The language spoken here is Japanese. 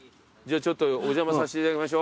ちょっとお邪魔させていただきましょう。